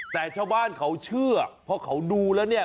แต่ชาวบ้านเขาเชื่อเพราะเขาดูแล้วเนี่ย